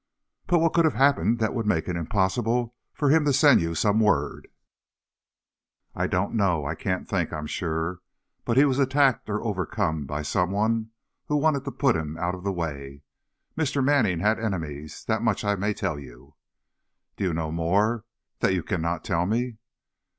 "But what could have happened that would make it impossible for him to send you some word?" "I don't know I can't think, I'm sure. But he was attacked or overcome by someone who wanted him put out of the way. Mr. Manning had enemies, that much I may tell you " "Do you know more? That you can not tell me?"